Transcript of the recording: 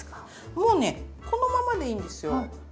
もうねこのままでいいんですよ。